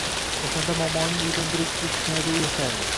Oʻshanda momoning uyidan bir-ikki eshik narida u yashardi